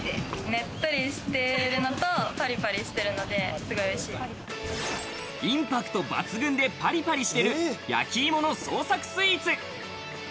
ねっとりしてるとパリパリしインパクト抜群で、パリパリしてる、焼き芋の創作スイーツ。